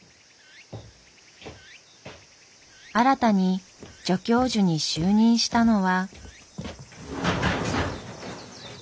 新たに助教授に就任したのは。